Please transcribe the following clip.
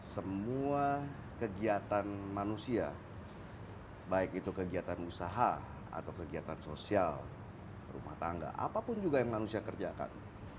semua kegiatan manusia baik itu kegiatan usaha atau kegiatan sosial rumah tangga apapun juga yang manusia kerjakan